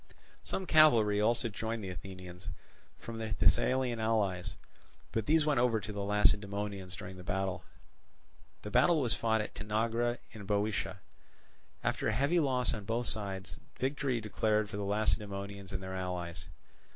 Some cavalry also joined the Athenians from their Thessalian allies; but these went over to the Lacedaemonians during the battle. The battle was fought at Tanagra in Boeotia. After heavy loss on both sides, victory declared for the Lacedaemonians and their allies.